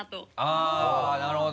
あっなるほど。